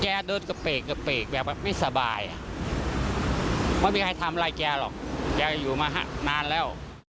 เดินกระเปกแบบไม่สบายไม่มีใครทำอะไรแกหรอกแกอยู่มานานแล้ว